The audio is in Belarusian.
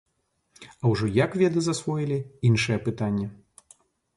А ўжо як веды засвоілі, іншае пытанне.